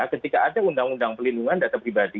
ketika ada undang undang pelindungan data pribadi